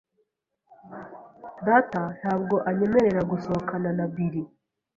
Data ntabwo anyemerera gusohokana na Bill.